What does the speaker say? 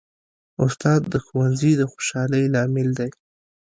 استاد د ښوونځي د خوشحالۍ لامل دی.